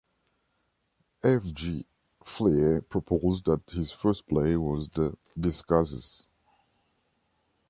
F. G. Fleay proposed that his first play was "The Disguises".